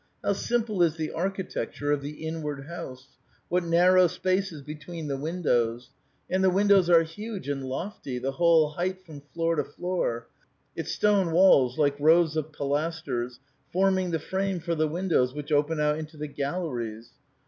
How simple is the architecture of the inward house ! What narrow spaces between the windows ! and the windows are huge and loft}', the whole height from floor to floor ; its stone walls, like rows of pilasters, forming the frame for the windows which open out into the galleries.